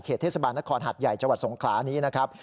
เขตเทศบาลนครหัดใหญ่จวัตรสงครานี้นะครับ